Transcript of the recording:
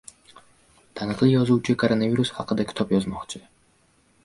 Taniqli yozuvchi koronavirus haqida kitob yozmoqchi